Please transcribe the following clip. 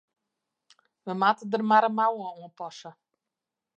We moatte der mar in mouwe oan passe.